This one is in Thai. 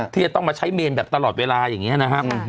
ที่จะต้องมาใช้เมนแบบตลอดเวลาอย่างนี้นะครับ